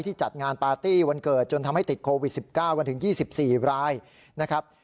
จัดงานปาร์ตี้วันเกิดจนทำให้ติดโควิด๑๙กันถึง๒๔รายนะครับ